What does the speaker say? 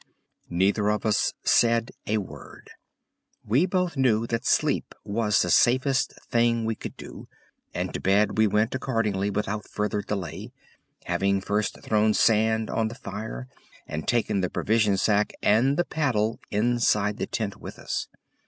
Neither of us said a word. We both knew that sleep was the safest thing we could do, and to bed we went accordingly without further delay, having first thrown sand on the fire and taken the provision sack and the paddle inside the tent with us.